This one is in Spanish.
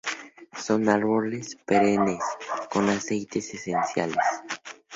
Son árboles perennes con aceites esenciales.